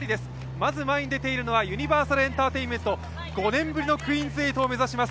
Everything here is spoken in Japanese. まず前に出ているのはユニバーサルエンターテインメント、５年ぶりのクイーンズ８を目指します。